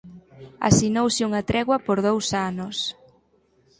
Asinouse unha tregua por dous anos.